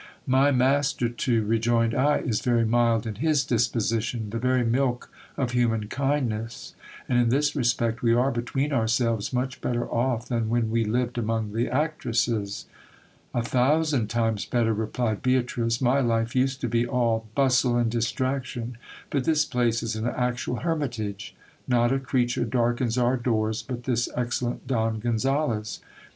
My master, too, rejoined I, is very mild in his disposition ; the very milk of human kindness ; and in this respect we are, between ourselves, much better off than when we lived among the actresses. A thousand times better, replied Beatrice; my life used to be all bustle and distraction ; but this place is an actual hermit age. Not a creature darkens our doors but this excellent Don Gonzales.